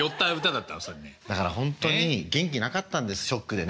だから本当に元気なかったんですショックでね。